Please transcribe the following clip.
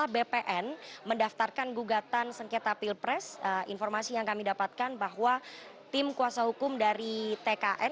bpn mendaftarkan gugatan sengketa pilpres informasi yang kami dapatkan bahwa tim kuasa hukum dari tkn